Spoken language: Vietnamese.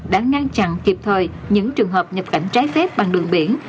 đã ngăn chặn kịp thời những trường hợp nhập cảnh trái phép bằng đường biển